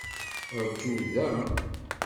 Ṛju da.